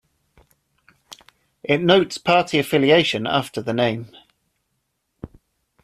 It notes party affiliation after the name.